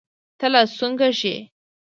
ته لا سونګه ږې.